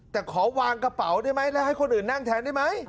แต่ขอวางกระเป๋าได้ไหม